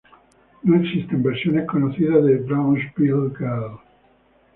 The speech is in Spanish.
No existen versiones conocidas de "Brownsville Girl".